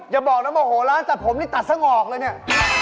อย่าบอกเราจะโมาโห่ทหารสัตว์ผมนี่ตัดสร้างออกเลยนี่